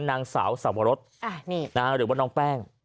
นางสาวสวรสหรือว่าน้องแป้ง